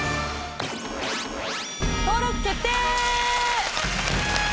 登録決定！